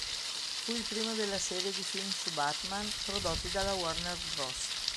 Fu il primo della serie di film su Batman prodotti dalla Warner Bros.